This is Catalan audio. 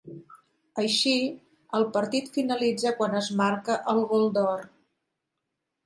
Així, el partit finalitza quan es marca el gol d'or.